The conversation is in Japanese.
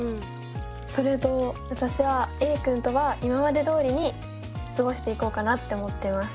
それと私はＡくんとは今までどおりにすごしていこうかなって思ってます。